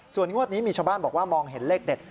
ส่วนงวดนี้มีชาวบ้านบอกว่ามองเห็นเลขเด็ด